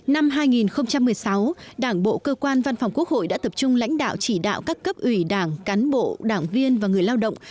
năm hai nghìn một mươi sáu đảng bộ cơ quan văn phòng quốc hội đã tập trung lãnh đạo chỉ đạo các cấp ủy đảng cán bộ đảng viên và người lao động